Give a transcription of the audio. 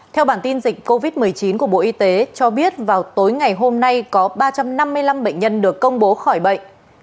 theo bản tin dịch covid một mươi chín của bộ y tế cho biết vào tối ngày hôm nay có ba trăm năm mươi năm bệnh nhân được công bố khỏi bệnh